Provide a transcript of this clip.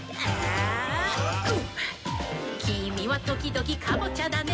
「きみはときどきカボチャだね」